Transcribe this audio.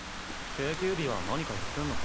定休日は何かやってんのか？